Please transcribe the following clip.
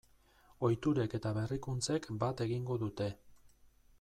Ohiturek eta berrikuntzek bat egingo dute.